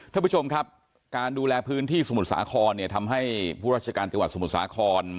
ท่านผู้ชมครับการดูแลพื้นที่สมุทรสาครเนี่ยทำให้ผู้ราชการจังหวัดสมุทรสาคร